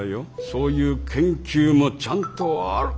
そういう研究もちゃんとある。